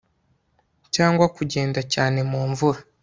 cyangwa kugenda cyane mu mvura